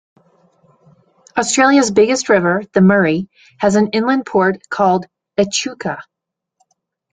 Australia's biggest river, the Murray, has an inland port called Echuca.